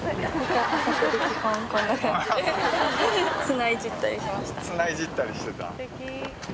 砂いじったりしてた。